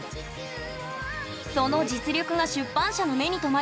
その実力が出版社の目に留まり